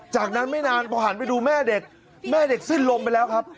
จากนั้นไม่นานพอหันไปดูแม่เด็กแม่เด็กสิ้นลมไปแล้วครับ